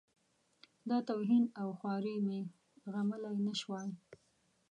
دا توهین او خواري مې زغملای نه شوای.